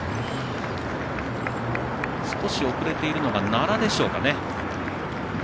少し遅れているのが奈良でしょうか。